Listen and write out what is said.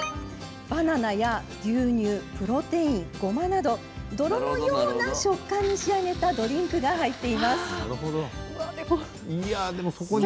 バナナや牛乳プロテイン、ごまなど泥のような食感に仕上げたドリンクが入っています。